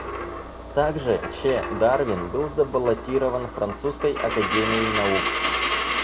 Также Ч. Дарвин был забаллотирован французской Академией наук.